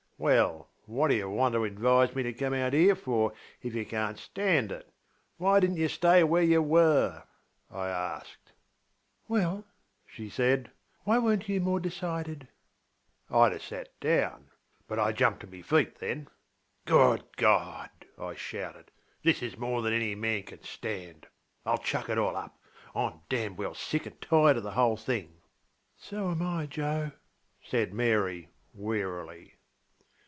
ŌĆśWell, what did you want to advise me to come out here for, if you canŌĆÖt stand it? Why didnŌĆÖt you stay where you were? ŌĆÖ I asked. ŌĆśWell, ŌĆÖ she said, ŌĆśwhy werenŌĆÖt you more decided? ŌĆÖ IŌĆÖd sat down, but I jumped to my feet then. ŌĆśGood God! ŌĆÖ I shouted, ŌĆśthis is more than any man can stand. IŌĆÖll chuck it all up! IŌĆÖm damned well sick and tired of the whole thing. ŌĆÖ ŌĆśSo am I, Joe, ŌĆÖ said Mary wearily.